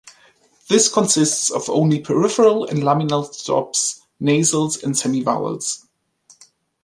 This consists of only peripheral and laminal stops, nasals, and semivowels.